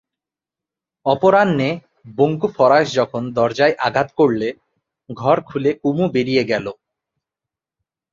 অপরাহ্নে বঙ্কু ফরাশ যখন দরজায় আঘাত করলে, ঘর খুলে কুমু বেরিয়ে গেল।